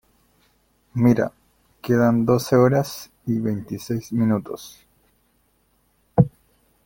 mira. quedan doce horas y veintiséis minutos